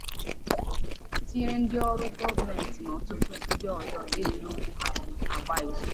tinyere ndị ọrụ gọọmenti na ọtụtụ ndị ọzọ e ji okwu ha agba ìzù.